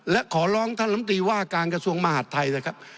และขอร้องท่านลำตีว่าการกระทรวงมหาดไทยนะครับ